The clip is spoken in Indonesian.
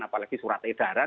apalagi surat edaran